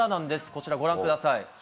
こちら、ご覧ください。